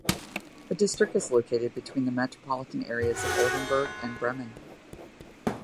The district is located between the metropolitan areas of Oldenburg and Bremen.